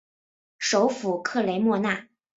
首府克雷莫纳。